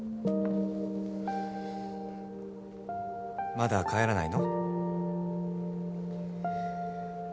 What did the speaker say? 「まだ帰らないの？」。